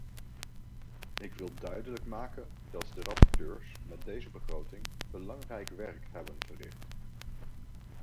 Ik wil duidelijk maken dat de rapporteurs met deze begroting belangrijk werk hebben verricht.